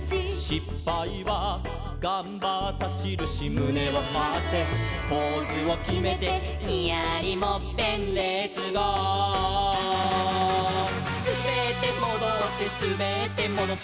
「しっぱいはがんばったしるし」「むねをはってポーズをきめて」「ニヤリもっぺんレッツゴー！」「すべってもどってすべってもどって」